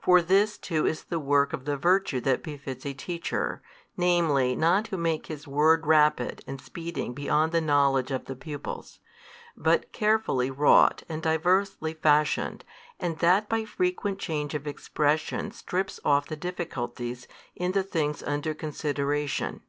For this too is the work of the virtue that befits a teacher, namely not to make his word rapid and speeding beyond the knowledge of the pupils, but carefully wrought and diversely fashioned and that by frequent change of expression strips off the difficulties in the things under consideration.